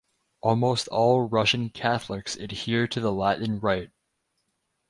Almost all Russian Catholics adhere to the Latin rite.